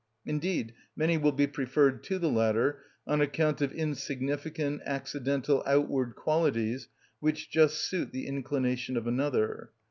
Indeed many will be preferred to the latter, on account of insignificant, accidental, outward qualities which just suit the inclination of another.